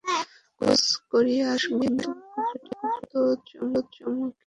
খোঁজ খোঁজ করিয়া বন্দুক জুটিল তো চকমকি জুটিল না।